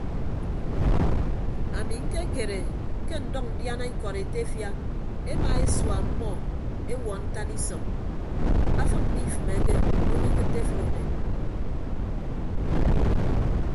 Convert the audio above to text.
Ami ñkekere ke ndʌñ ndiana ikọd etefia ema esua ọmmọ ewuọ ntan isọñ afịm mmifịmeke owo ikịtte efʌd unen.